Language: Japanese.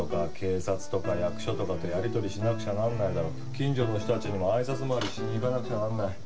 近所の人たちにも挨拶回りしに行かなくちゃならない。